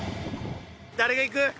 誰がいく？